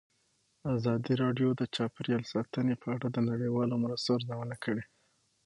ازادي راډیو د چاپیریال ساتنه په اړه د نړیوالو مرستو ارزونه کړې.